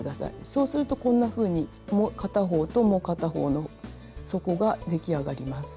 そうするとこんなふうにもう片方ともう片方の底が出来上がります。